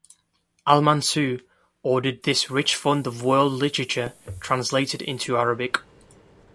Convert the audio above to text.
Al-Mansur ordered this rich fund of world literature translated into Arabic.